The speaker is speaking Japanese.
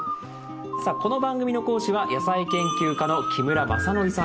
さあこの番組の講師は野菜研究家の木村正典さんです。